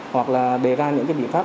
hoặc là đề ra những biện pháp